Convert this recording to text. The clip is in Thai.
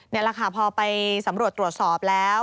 นี่แหละค่ะพอไปสำรวจตรวจสอบแล้ว